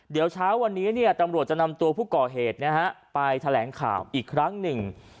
เดี๋ยวเช้าวันนี้ตำรวจจะนำตัวผู้ก่อเหตุไปแถลงข่าวอีกครั้งหนึ่ง